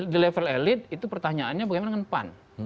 di level elit itu pertanyaannya bagaimana dengan pan